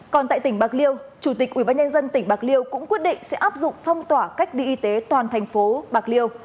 còn tại tỉnh bạc liêu chủ tịch ubnd tỉnh bạc liêu cũng quyết định sẽ áp dụng phong tỏa cách đi y tế toàn thành phố bạc liêu